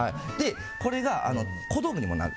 これが小道具にもなる。